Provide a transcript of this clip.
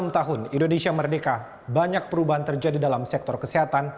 enam tahun indonesia merdeka banyak perubahan terjadi dalam sektor kesehatan